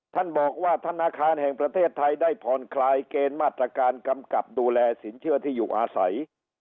ท่านบอกว่าธนาคารแห่งประเทศไทยได้ผ่อนคลายเกณฑ์มาตรการกำกับดูแลสินเชื่อที่อยู่อาศัย